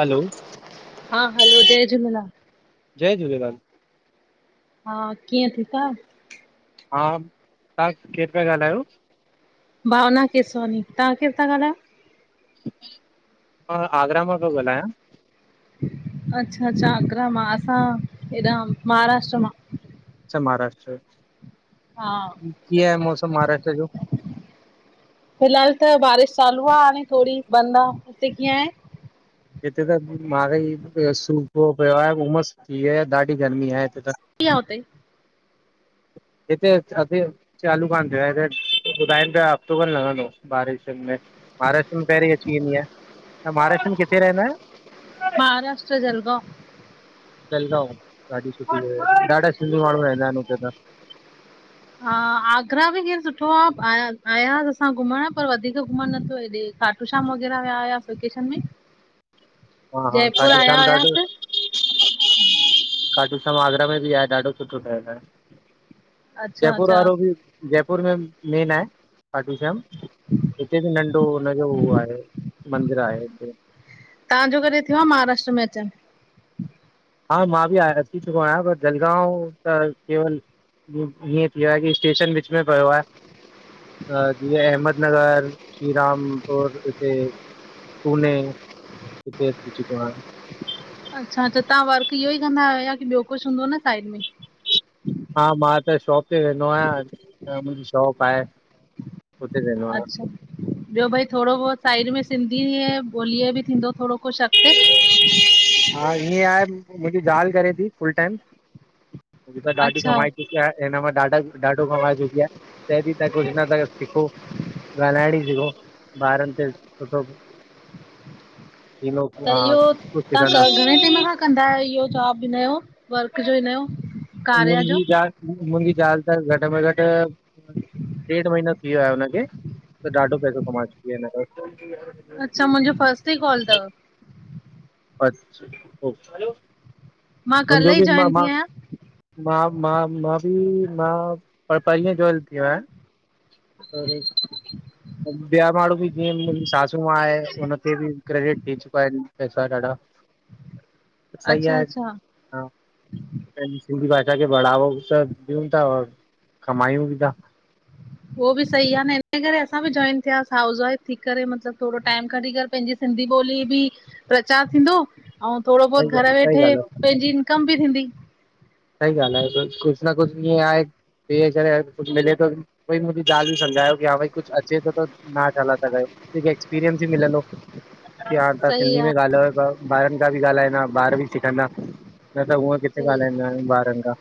Hello! हा hello, जय झूलेलाल! जय झूलेलाल! हा कीअं, ठीक आयो? हा तहां केर पिया ॻाल्हायो? भावना केसवानी, तहां केरु ता ॻाल्हायो? मां आगरा मां पियो ॻल्हायां। अच्छा अच्छा आगरा मां, असां हेॾा महाराष्ट्र मां। अच्छा महाराष्ट्र, हा कीअं आए मौसम महाराष्ट्र जो? फिलहाल त बारिश चालू आ, हाणे थोड़ी बंदि आ, हिते कीअं आए? हिते त माॻई सुखों पयो आहे, उमस थी वइ आहें, ॾाढी गर्मी आहें। हिते त, सुठी आ हुते हिते छा थी यो? चालू कानि थीया, हिते ॿुधाइनि पिया हफ़्तो ख़न लॻंदों बारिशुनि में। महाराष्ट्र में पहिरीं अची वेंदी आ, तहां महाराष्ट्र में किथे रहंदा आयो? महाराष्ट्र जलगांव। जलगांव ॾाढी सुठी जगह आहे। ॾाढा सिंधी माण्हू रहंदा आहिन हुते त। हा आगरा बि जीअं सुठो आ आया आयासीं असां घुमण पर वधीक घुमण न थियो हेॾे। खाटू श्याम वग़ैरह विया हुयासीं वेकेशन में, हा हा जयपुर खाटू आया श्याम ॾाढो हुयासीं। खाटू श्याम आगरा में बि आहें। ॾाढो सुठो ठहिल आहें। अच्छा जयपुर अच्छा वारो बि जयपुर में मेन आहें। खाटू श्याम! हिते बि नंढो हुनजो उह आहें मंदिर आहें। तव्हां जो कॾे थियो आ महाराष्ट्र में अचनि? हा मां बि आय अची चुको आहियां, पर जलगांव त केवल हीअं थीयो आहे की स्टेशन विच में पयो आहे। त जीअं अहमदनगर, श्री रामपुर हिते पूने हिंते अची चुको आं। अच्छा त तव्हां वर्क इहो ई कंदा आहियो, ॿियो कुझु हूंदो न साइड में? हा मां त शॉप ते वेंदो आहियां, मुंहिंजी शॉप आहें। अच्छा जी! ॿियो भई थोरो बहुत साइड में सिंधीअ ॿोलीअ बि थींदो थोरो कुझु अॻिते? हा ईअं आहें, मुंहिंजी ज़ाल्हि करे थी फुल टाइम, जेको आहे ॾाढी अच्छा कमाई थी। चये हिनि मां ॾाढा ॾाढो कमाये चुकी आ, चय ती तव्हां कुझु न था सिखो। ॻाल्हाइणी सिखो ॿारनि ते सुठो थींदो त हा इहो, कुझु सिखंदा तव्हां घणे टाइम खां कंदा आयो इहो जॉब, हिनयो वर्क जो हिनयो? मुंहिंजी जाल, मुंहिंजी जाल त घटि में घटि ॾेढ महीनो थी वियो आहे हुनखे, त ॾाढो पैसो कमाए चुकी आहे हिन अच्छा, मुंहिंजो फस्ट ई कॉल तव। अच्छा, ओ मां कल्ह मुंहिंजो ई बि जॉइन मां थी मां आहियां मां मां मां बि मां पहिले जोइल थीयो आहे। अरे! ॿिया माण्हू बि जीअं मुंहिंजी सासूं मॉं आहें, हुन खे बि क्रेडिट ॾेई चुका आहिन। तहां ॾाढा सही अच्छा आहिन। अच्छा हा पहिंजी सिंधी भाषा खे बढ़ावोॿ त ॾियूं ता कमायूं बी तां। उहो बि सही आ न हिन करे असां बि जॉइन थिया, हाउस वाइफ थी करे मतलबु थोरो टाइम कढी करे पंहिंजी सिंधी ॿोलीअ बि प्रचार थींदो अऊं थोरो सही बहुत घरु सही वेठे ॻाल्हि आहे पंहिंजी इनकम बि थींदी। सही ॻाल्हि आहे कुझु न कुझु इअं आहे किए करे कुझु मिले थो वहई मुंहिंजी जाल बि समझायो कि हा भई कुझु अचे थो त ना छाला ता कयो हिकु एक्सपीरियंस ई मिलंद की हा तव्हां सही सिंधी आ में ॻाल्हायो थ ॿारनि खां बि ॻाल्हाईंदा ॿार बि सिखंदा न त हूअं किथे सही ॻाल्हाईंदा आहियूं ॿारनि खां।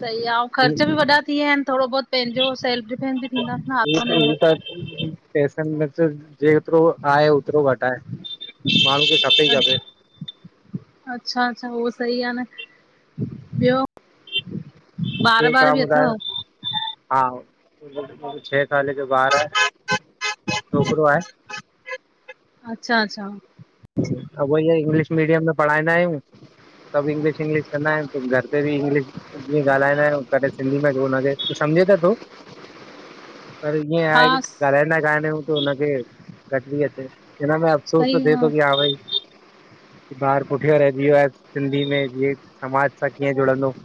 सही आ ऐं हू ख़र्च बि वॾा थी विया आहिन थोरो बहुोत पंहिंजो सेल्फ डिफेंस बि थींदास न आतमनिर्भर त जी [unintelligible] पैसन में त जेतिरो आहे ओतिरो घट आए आहे माण्हून खे। खपे ई खपे अच्छा अच्छा अच्छा उहो सही आहे न। ॿियो? ॿार बियो वार बि तव्हां अथव ॿुधायो? हा मुखे छहं साले जो ॿारु आहे छोकिरो आहे। अच्छा अच्छा। वो ही आ, इंग्लिश मीडियम में पढ़ाइंदायूं। सभ, इंग्लिश इंग्लिश कंदा आहिन घर पे बि इंग्लिश ॻाल्हाइ -दायूं, कॾहिं सिंधी में बि उनखे, हू सम्झे त थो। पर ईंएं हा आहे की, ॻाल्हाइंदा कान आह्यूं, तो उनखे घट ती अचेस, हिन में सो त सही थे तो, आ की हा भई ॿार पुठ्यां रहजी वियो आहे। सिंधी में, जींएं समाज सां कीअं जुड़ंदो?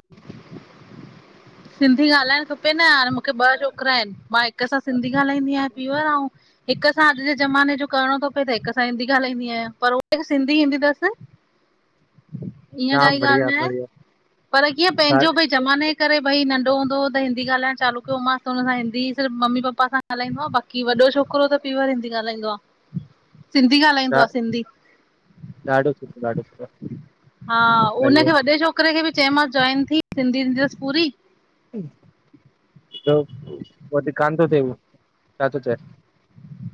सिंधी ॻाल्हाइण खपे न, हाणे मूंखे ॿ छोकिराइन, मां हिक सां सिंधी ॻाल्हाईंदी आं पीवर औं हिक सां, अॼ जे ज़माने जो करणो तो पे, त हिक सां हिंदी ॻाल्हाईंदी आहियां, पर ओखे सिंधी ईंदी तसि। ईअं जाम काई बढ़िया ॻाल्हि नाहें, बढ़िया पर कीअं ॾा- पंहिंजो भई ज़माने जे करे भई नंढ़ो हुंदो त, हिंदी ॻाल्हायण चालू क्यो मांस, त उन सां हिंदी सिर्फ मम्मी पापा सां ॻाल्हाईंदो आ, बा की, वॾो छोकरो त पेवर हिंदी ॻाल्हाईंदो आ, सिंधी ॻाल्हाईंदो ॾा- आ सिंधी। ॾाढो सुठो ॾाढो सुठो हा, सही उनखे आहे वॾे छो छोकर खे बि चायो मांस, जॉइन थी सिंधीं ईंदी तस पूरी। पो कान तो थे, छा थो चै?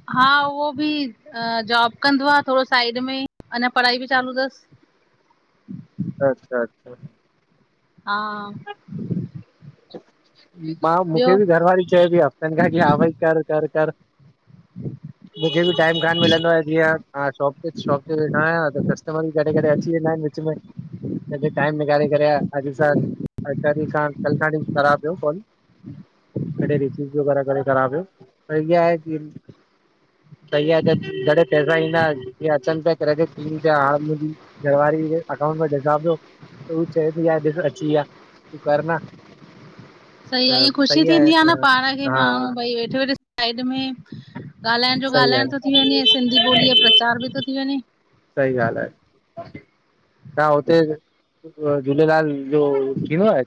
हा, उहो बि जॉब कंदो आ थोड़ो साइड में, अञा पढ़ाई बि चालू तस। अच्छा अच्छा हा मां, मूखे ॿियो बि घरवारी चै पी, हफ़्तन खां, की हा भई कर कर कर। मूंखे बि टाइम कान मिलंदो आ, जीअं शॉप ते शॉप ते वेठो आयां, त कस्टमर बि कॾहिं कॾहिं अची वेंदा इन। विच में, कॾहिं टाइम निहारे करे, अॼ सां कॾी सां कल खां वठी, ख़राब प्यो फ़ोन कॾहि रिसीव प्यो करे, कॾहिं ख़राब हो, पर ईंए आहे की सही आ, त जॾहिं पैसा ईंदा, जीअं अचन पिया क्रेडिट थीन पिया, हांण मुंजी घर वारी जे अकाउंट में ॾिसां प्यो, त हू चए पी, यार ॾिस अची वया, तूं कर न। सई आ, त ईएंं ख़ुशी सही थींदी आ न, आहे पाण खे हा माण्हू भई वेठे वेठे साइड में, ॻाल्हाइण जो सही ॻाल्हि ॻाल्हाइण आहे तो थी वञे, सिंधी ॿोलीअ जो प्रचार बि तो थी वञे। सही ॻाल आहे। तां हुते, झूलेलाल जो थींदो आहे?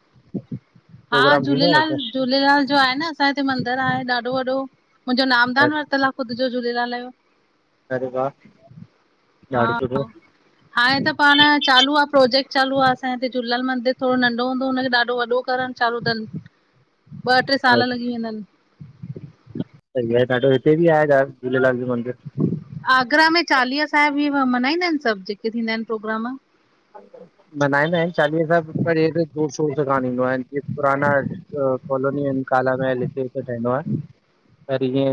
हा प्रोग्राम थींदो झूलेलाल, आहे झूलेलाल जो आहे न, असांजे हिते मंदरु आहे ॾाढो वॾो। मुंजो, नामदान वरतल आ, ख़ुद जो झूलेलाल जो। अरे वाह! हा ॾाढ़ो सुठो। हाणे त पाण चालू आ, प्रोजेक्ट चालू आ, असांजे हिते झूलेलाल मंदिर थोड़ो नंढो हूंदो हो, हुनखे ॾाढो वॾो करण। चालू तन, ॿ, ट्रे और साल लॻी वेंदन। सई आहे ॾाढो, हिते बि आहे झूलेलाल जो मंदिर। आगरा में, चालीहा साहिब ई ऊ मनाईंदा आहिन सभ जेके थींदा आहिन प्रोग्राम। मनाईंदा आहिन, चालीहा साहब पर हे जोर शोर सां कान ईंदो आहे जीअं पुराना कॉलोनी एन, कालमहल इते। ठहिंदो आ, पर ईंएं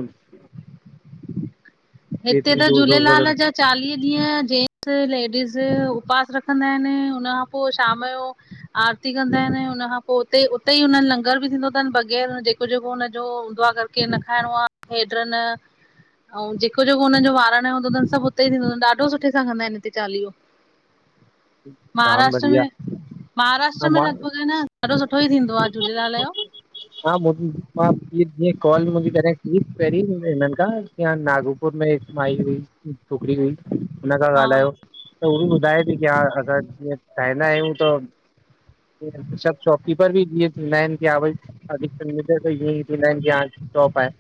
हिते त झूलेलाल जा चालीह ॾींहं, जेंस लेडीज़ उपवास रखंदा आहिन, उनखां पो शाम जो आरती कंदा इन, उन खां पो उते, उतेई उननि लंगर बि थींदो तन, बग़ैर जेको जेको हुनजो हूंदो आ अगर केर न खाइणो आ, हेड्र न, अऊं जे जेको जेको उननि जो वारण जो हूंदो तन, सभ उतेई थींदो तन, ॾाढो सुठे सां कंदा आहिन हिते चालीहो। ह [inaudible] महाराष्ट्र में हा महाराष्ट्र में मां लॻभॻि आ न ॾाढो सुठो ई थींदो आ, झूलेलाल जो। हा मां जी कॉल मुंहिंजी क ठीक पहिरीं हिननि खां नागपुर में हिकु माई हुई छोकिरी हुई, हुन खां हा ॻाल्हायो। त हू बि ॿुधाए थी की हा असां जीअं ठाहींदा आहियूं त सभु शौकीन बि थींद आहिनि की थींदाी टॉप आ आहे [unintelligible]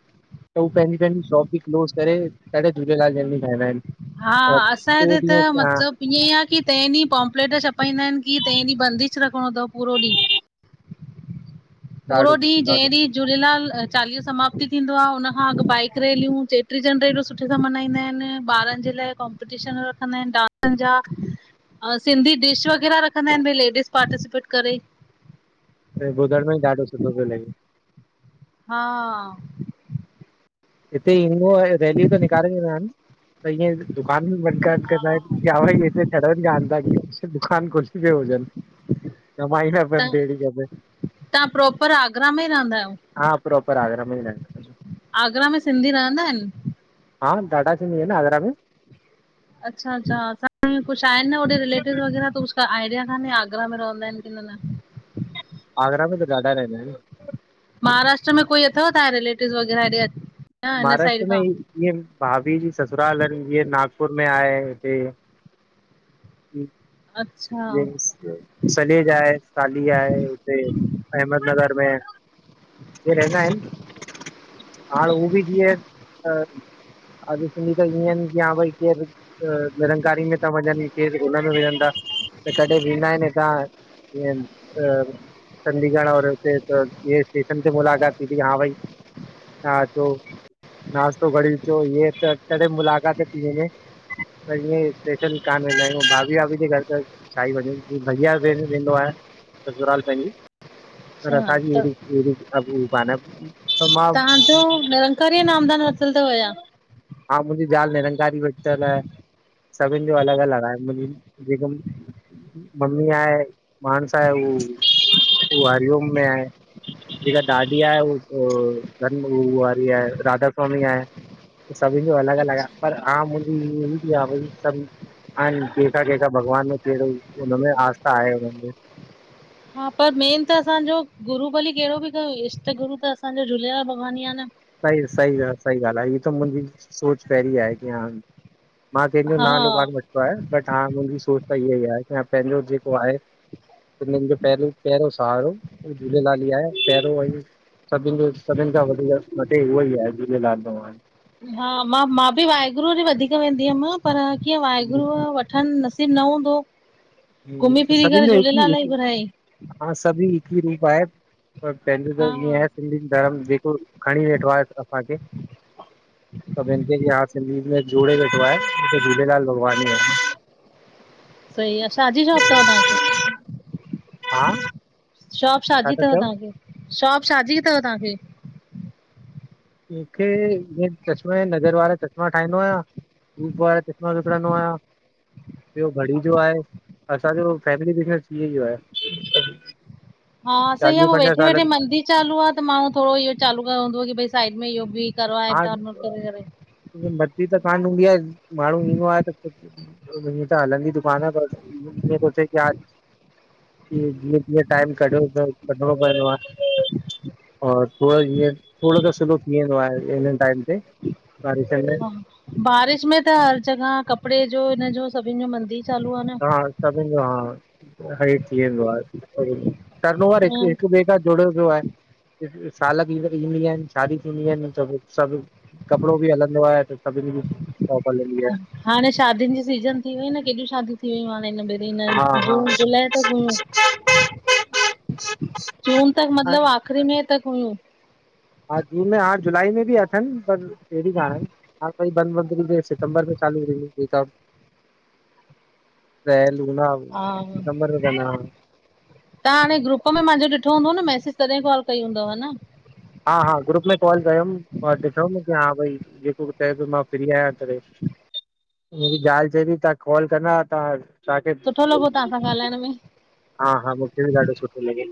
त हू पंहिंजी पंहिंजी शॉप बि क्लोस करे ॾाढा झूलेलाल जयंती मनाईंदाइन। हा, असांजो हिते त मतिलब ईअं आहे की तें ॾींहुं पोंपलेट छपाईंदा आहिनि कीं तें ॾींहुं बंदिश रखणो तव पूरो ॾींहुं। पूरो ॾाढो ॾींहु सुठो जें ॾाढो ॾींहु झूलेलाल चालीहो समाप्त थींदो आ हुन खां अॻु बाइक रैलियूं चेटी चंडूं एॾो सुठे सां मनाईंदा आहिनि, ॿारनि जे लाइ क्पटिशन रखंदा आहिनि डांसनि जा अऊं सिंधी डिश वग़ैरह रखंदा आहिनि, भई लेडीज़ पार्टिसिपेट करे। त ॿुधण में ॾढो सुठो पियो लॻे। हा-हा, हिते ईंदो आ, रैलीयूं त निकारे वया आहिनि त इअं दुकान बंद कंद आहिनि कया भई हिते चढ़नि कान था क दुकान खुलीी प हुजनि [unintelligible] कमाई न प त पेड़ी गे [unintelligible] तव्हां प्रोपर आगरा में ई रहंदा आहियो? हा प्रोपर आगरा में ई रहिंदा आगरा में सिंधी रहंदा आहिनि? हा ॾाडा सिंधी ईन आगरा में। अच्छा- अच्छा, असां कुछ आहिनि न रिलेटिवि व़गैरह त कुछु आइडिया कान्हे आगरा में रहंदा आहिनि कि क न [inaudible] आगरा में त ॾाढा रहंदा आहिनि। महाराष्ट्र में कोई अथव तांजा रिलेटिव वग़ैरह हेॾे न हिन महाराष्ट्र साइड में खां? इअं भाभी जी ससुराल आहिनि जीअं नागपुर में आहे हिते, हम [inaudible] अच्छा सलेज आहे साली आहे उते अहमदनगर में, इ रहंदा आहिनि, हाणे उ बि जीअं अॼ सुधी त ईअं भई के [unintelligible] निरंकारी में ता वञनि के हुन में वञन ता, त कॾहिं वेंदा आहिनि हितां ईअं चडीगढ़ वारो स्टेशन ईयं स्टेशन ते मुलक़ात थी, हा भई हा चो नाश्तो घड़ी चो त कहिड़ॾे मुलाक़ात थीी हिन में [unintelligible] पर ईयं स्पेशल कान वेंदायूं, भाभी भाभी जे घर त छा ही वञूं, भैय्या वेंदो आहे ससूराल पहंजे। अच्छा रसा त जीहिड़ीहिड़ी अ उ पाना [unintelligible] तवां जो निरंकारी नामदान वतल तव या? हा मुंहिंजी ज़ाल निरंकारी वरितलु आहे। सभिनि जो अलॻि अलॻि आहे, जेको मम्मी आहे, पाणस आहे हू, उ हरि ओम में आहे। जेका ॾाॾी आहे हू धन गुरु वारी आहे, राधा स्वामी आहे। सभिनि जो अलॻि अलॻि आ, पर हा मुंहिंजी बि आहे भई सभ। हा कंहिंका कंहिंका भॻवान में कहिड़ो हुनमें आस्था आहे हुन में, हा, पर मेन त असांजो गुरू भली कहिड़ो ॿि कयो इष्टगुरु त असांजो झूलेलाल भॻवान ही आ न। सही सही ॻालहि सही ॻाल्हि आहे इअ त मुंहिंजी सोच पहिरीं आहे की हा मां कंहिंजो हा नालो कान वठ तो आए बट हा मुंहिंजी सोच त इहा ई आहे की पंहिंजो जेको आहे सिंधीन जो पहरियों पहरियोों सहारो झूलेलाल ई आहे पहिरों ई सभिनि जो सभिनि खां वधीक मथे उहो ई आहे झूलेलाल भॻवानु हा मां मां बि वाहेगुरू डे वधीक वेंदी हुअमि पर कीअं वाहेगुरूअ वठ ठन नसीबु न हूंदो, घुमी फिरी सभिनि करे जो हिकु झूलेलाल ई हिकु घुरायइं। हा सभी हिकु ई रूप आहे पर पंहिंजो त हा ईअं आहे सिंधी धरम जेको खणी वेठो आहे असांखे सभनि न खे यार सिन्धीत में जोड़े वेठो आए, उ झूलेलाल भॻवान इ आहे। सही आ, छा जी शॉप थव तव्हांखे? हा शॉप छा जी था अथव चओ? तव्हांखे, शॉप छा जी अथव तव्हांखे? मूंखे इएं चश्मा ॼी नज़र वारा चश्मा ठाईदो आहियां धूप वारा चश्मा विकणंदो आहियां ॿियो घड़ी जो आहे असांजो फैमिली बुसिंनेस सीए ॼो आहे हा सही चालीह आहे पंजाह वेठे वेठे सालनि मंदी चालू आहे त माण्हू थोरो इहो चालू कयो हूंदो की भई साइड में इहो बि करो आहे हा डाउनलोड करे करे द मंदी त कान हूंदी आहे माण्हू ईंदो आहे त मुंहिंजी त हलंदी दुकान पर इयें सोचे की आज [inaudible] जीअं तीअं टाइम कढयो त कढणो पयो आ और थोरो जीअं थोरो त स्लो थी वेंदो आहे हिन टाइम ते बारिश में बारिश में त हर जॻह कपिड़े जो हिन जो सभिनि जो मंदी चालू आ न हाण सॿिन जो हा हेठ थी वेंदो आहे उहो ही आ टर्न ओवर हिकु हम्म हिकु बि त जुड़ियो पियो आहे, सालगिरह ईंदी आहिनि, शादी थींदीयू आहिनि सब सभु कपिड़ो बि हलंदो आहे त सभिनी जी शॉप हलंदी आहे हाणे शादियूंन जी सीजन थी वई न केॾियूं शादी थी वयूं हाणे हिन में हा हिनिन हा जून जुलाई त हुयूं जून तक हा मतलब आख़िरी मे तक हुयूं हा जून में हाण जुलाई में बि अथनि पर एडी ना आए हाण भई ॿबंधिरी में सितंबर में चालू रहींयू बेकाबू पे लूना ब हा तां हाणे ग्रुप मां मुंहिंजो ॾिठो हूंदो न मैसेज तॾहिं कॉल कई हूंदव हा न हा हा ग्रुप में कॉल कयमि और ॾिठमि की हा भई जेको ॿ चए थो मां फ्री आहियां करे मुंहिंजी ज़ाल चएती तां कॉल कंदा तां तां खे सुठो लॻो तव्हां सां ॻाल्हाइण में। हा हा मूंखे बि ॾाढो सुठो लॻे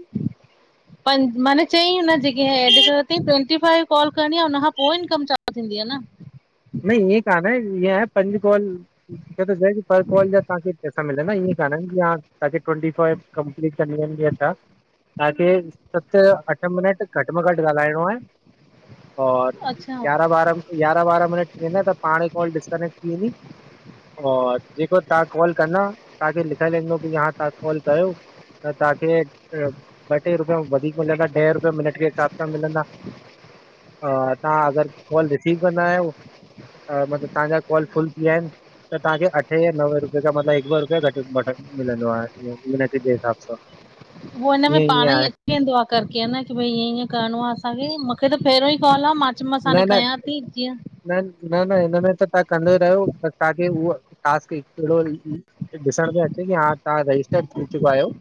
माने चईं इन जेके ऐड् कयो थइं ट्वन्टी फाइव कॉल करणी आ हुनखां पोइ इनकम चालू थींदी आ न न इंय कान आहे, इये आहे पंज कॉल मुखे त चञन पर कॉल जा पैसा मिलंदा ईअ कान अन कि आ तांखे ट्वन्टी कॉल कंप्लीट करणी पहंदी आ छा? तव्हांखे सत अठ मिनट घटि में घटि ॻाल्हाइणो आहे और अच्छा यारहां बारहां यारहां बारहां मिनट थी वेंदा त पाणे इ कॉल डिसकनेक्ट थी वेंदी और जेको तव्हां कॉल कंदा तव्हांखे लिखाएल इंदो की हाण तां कॉल कयो त तव्हांखे ट ॿ टे रुपया वधीक मिलंदा ॾह रुपया मिनट खे हिसाब सां मिलंदा। हा तव्हां अगरि कॉल रिसीव कंदा आयो। अ मतिलबु तव्हांजा कॉल फुल थी विया आइन। त तव्हांखे अठे या नवे रुपये खां मतिलबु हिकु ॿ रुपया घटि वठ मिलंदो आहे मिनट जे हिसाब सां। [inaudible] उह हिन में ईअं पाण ईअं ई आहे अच थी वेंदो आ करके आ न की भई ईअं ईअं करणो आ असांखे मूंखे त परियों ई कॉल आ मां चयो मां न सी न कया थी जीअं न न न हिन में त तव्हां कंदा ई रहयो बस तव्हांखे उहो टास्क ईंदो ई ॾिसण में अचे की हा तव्हां रजिस्टर थी चुका आयो।